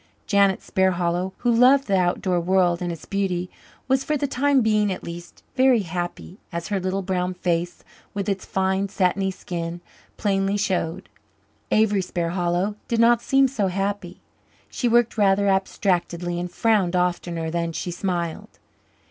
Janet Sparhallow, who loved the outdoor world and its beauty, was, for the time being at least, very happy, as her little brown face, with its fine, satiny skin, plainly showed. Avery Sparhallow did not seem so happy. She worked rather abstractedly and frowned oftener than she smiled.